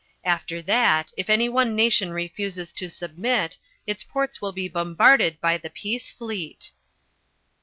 After that, if any one nation refuses to submit, its ports will be bombarded by the Peace Fleet."